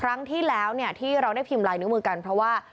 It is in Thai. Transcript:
ครั้งที่แล้วที่เราได้พิมพ์ลายนิ้วมือกันเพราะว่า